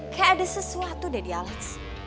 kayak ada sesuatu deh di alex